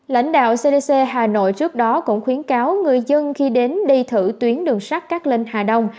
lãnh đạo cdc hà nội trước đó cũng khuyến cáo người dân khi đến đi thử tuyến đường sắt cát linh hà đông